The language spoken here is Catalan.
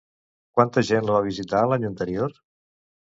Quanta gent la va visitar l'any anterior?